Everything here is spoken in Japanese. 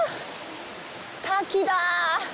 滝だ！